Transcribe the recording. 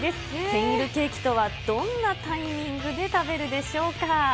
センイルケーキとはどんなタイミングで食べるでしょうか？